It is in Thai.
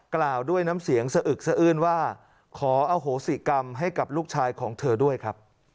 กล่าวด้วยน้ำเสียงสะอึกสะอื้นว่าขออโหสิกรรมให้กับลูกชายของเธอด้วยครับ